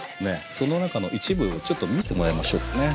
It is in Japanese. その中の一部をちょっと見てもらいましょうかね。